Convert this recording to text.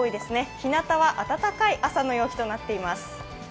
ひなたは暖かい朝の陽気となっています。